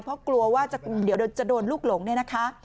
เพราะกลัวว่าเดี๋ยวจะโดนลูกหลงเนี่ยนะคะ